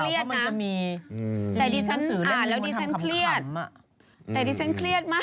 แต่เครียดนะอ่านแล้วดิสเซ็นเครียดแต่ดิเซ็นเครียดมาก